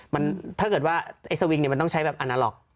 มันถ้าเกิดว่าไอ้สวิงเนี่ยมันต้องใช้แบบอาณาล็อก